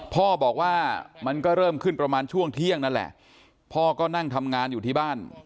พ่อบอกว่ามันก็เริ่มขึ้นประมาณช่วงเที่ยงนั่นแหละพ่อก็นั่งทำงานอยู่ที่บ้าน